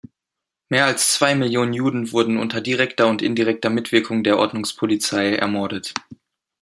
Mehr als zwei Millionen Juden wurden unter direkter und indirekter Mitwirkung der Ordnungspolizei ermordet.